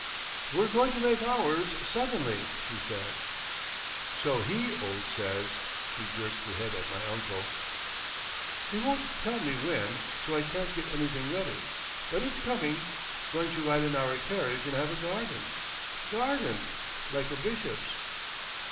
"We're going to make ours—suddenly," she said. "So he old says." She jerked her head at my uncle. "He won't tell me when—so I can't get anything ready. But it's coming. Going to ride in our carriage and have a garden. Garden—like a bishop's."